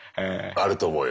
あると思うよ。